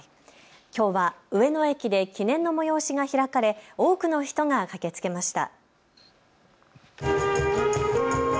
きょうは上野駅で記念の催しが開かれ多くの人が駆けつけました。